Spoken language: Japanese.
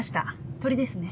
鳥ですね。